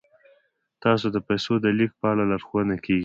تاسو ته د پیسو د لیږد په اړه لارښوونه کیږي.